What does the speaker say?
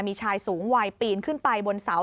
มีชายสูงวัยปีนขึ้นไปบนเสา